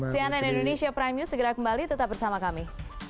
cnn indonesia prime news segera kembali tetap bersama kami